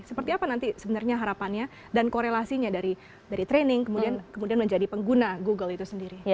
seperti apa nanti sebenarnya harapannya dan korelasinya dari training kemudian menjadi pengguna google itu sendiri